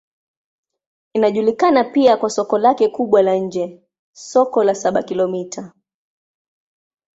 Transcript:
Inajulikana pia kwa soko lake kubwa la nje, Soko la Saba-Kilomita.